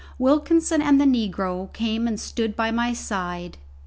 Wilkinson and the negro came and stood by my side.